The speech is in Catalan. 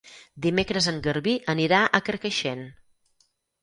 Dimecres en Garbí anirà a Carcaixent.